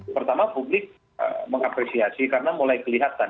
pertama publik mengapresiasi karena mulai kelihatan